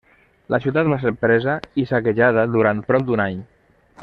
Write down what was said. La ciutat va ser presa i saquejada durant prop d'un any.